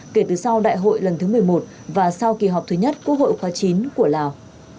kể từ sau đại hội lần thứ một mươi một và sau kỳ họp thứ nhất quốc hội khóa chín của lào